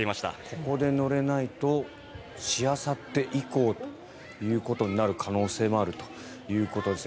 ここで乗れないとしあさって以降ということになる可能性もあるということです。